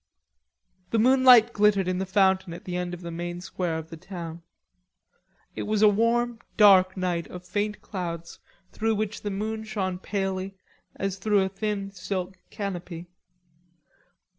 The moonlight glittered in the fountain at the end of the main square of the town. It was a warm dark night of faint clouds through which the moon shone palely as through a thin silk canopy.